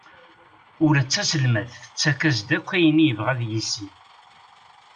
Ula d taselmadt tettak-as-d akk ayen i yebɣa ad yissin.